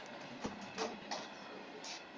ibaruwa ye twarayibonye.